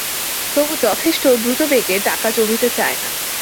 তবু যথেষ্ট দ্রুতবেগে টাকা জমিতে চায় না।